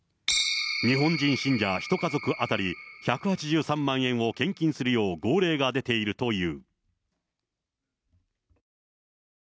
日本人信者１家族当たり１８３万円を献金するよう号令が出ているという。